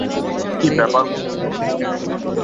কি ব্যাপার বলুনতো?